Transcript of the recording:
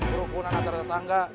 berhukuman antara tetangga